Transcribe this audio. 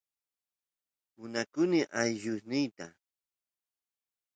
munani allusniyta